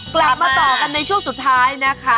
กลับมาต่อกันในช่วงสุดท้ายนะคะ